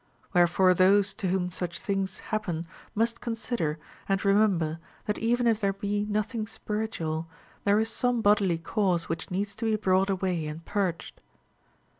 ΛVherefore those to whom such things happen must con sider and remember, that even if there be nothing spiritual, there is some bodily cause which needs to be brought away and purged.